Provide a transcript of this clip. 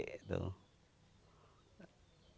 terus ya hasilnya lumayan banyak terus ya hasilnya lumayan banyak